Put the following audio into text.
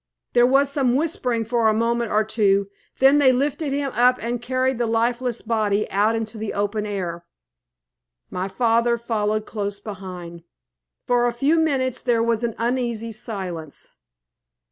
There was some whispering for a moment or two, then they lifted him up and carried the lifeless body out into the open air. My father followed close behind. For a few minutes there was an uneasy silence.